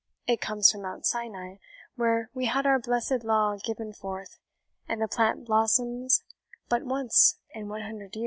It comes from Mount Sinai, where we had our blessed Law given forth, and the plant blossoms but once in one hundred year."